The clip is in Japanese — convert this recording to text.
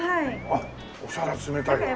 あっお皿冷たいわ。